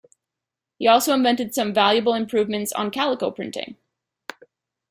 He also invented some valuable improvements in calico printing.